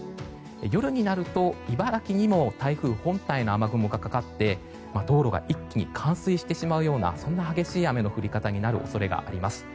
夜になると茨城にも台風本体の雨雲がかかって道路が一気に冠水してしまうような激しい雨の降り方になる恐れがあります。